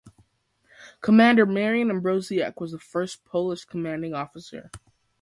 Commander Marian Ambroziak was the first Polish Commanding Officer.